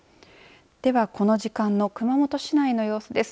ではこの時間の熊本市内の様子です。